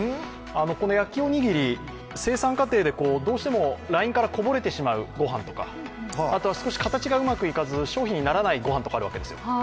この焼きおにぎり、生産過程でどうしてもラインからこぼれてしまうごはんとか、あとは少し形がうまくいかず商品にならないものがあるんですよ。